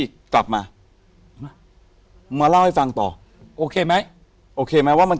กลับมามามาเล่าให้ฟังต่อโอเคไหมโอเคไหมว่ามัน